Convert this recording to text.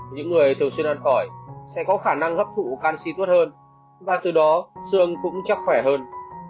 những người thường xuyên ăn khỏi sẽ có khả năng hấp thụ canxi tốt hơn và từ đó xương cũng chắc khỏe hơn